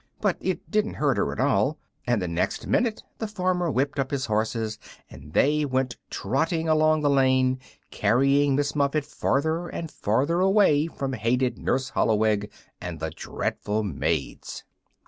But it didn't hurt her at all, and the next minute the farmer whipped up his horses, and they went trotting along the lane, carrying Miss Muffet farther and farther away from hated Nurse Holloweg and the dreadful maids.